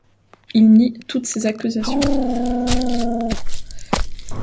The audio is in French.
Il nie toutes ces accusations.